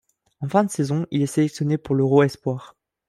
En fin de saison, il est sélectionné pour l'Euro espoirs.